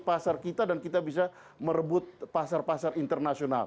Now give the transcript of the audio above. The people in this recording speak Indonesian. pasar kita dan kita bisa merebut pasar pasar internasional